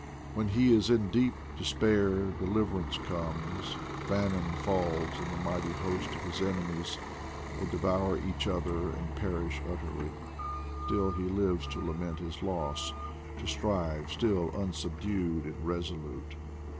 When he is in despair deliver ance comes ; famine falls on the mighty host of his enemies; they devour each other and perish ut terly. Still he lives to lament his loss ; to strive still, unsubdued and resolute.